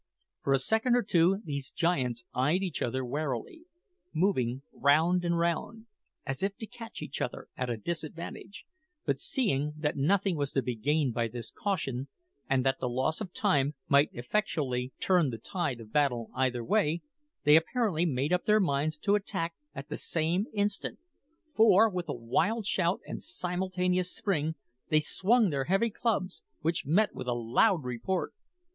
For a second or two these giants eyed each other warily, moving round and round, as if to catch each other at a disadvantage; but seeing that nothing was to be gained by this caution, and that the loss of time might effectually turn the tide of battle either way, they apparently made up their minds to attack at the same instant, for, with a wild shout and simultaneous spring, they swung their heavy clubs, which met with a loud report.